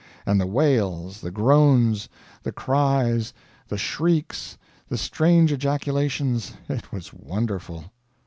And the wails, the groans, the cries, the shrieks, the strange ejaculations it was wonderful.